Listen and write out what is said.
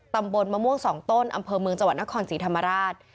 ตำบลมะม่วง๒ต้นอำเภอเมืองจังหวัดนครศรีธรรมราช